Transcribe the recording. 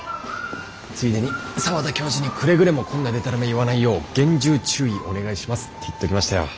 ついでに澤田教授にくれぐれもこんなデタラメ言わないよう厳重注意お願いしますって言っときましたよ。